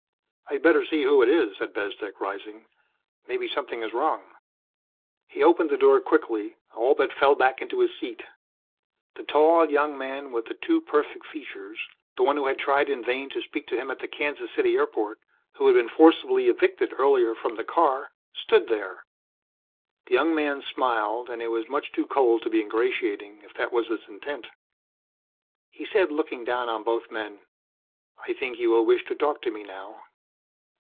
"I'd better see who it is," said Bezdek, rising. "Maybe something is wrong." He opened the door quickly all but fell back into his seat. The tall young man with the too perfect features the man who had tried in vain to speak to him at the Kansas City airport, who had been forcibly evicted earlier from the car stood there! The young man smiled and it was much too cold to be ingratiating if that was its intent. He said, looking down on both men, "I think you will wish to talk to me now."